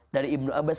dari ibnu abbas